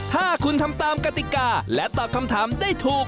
ถ้าคุณทำตามกติกาและตอบคำถามได้ถูก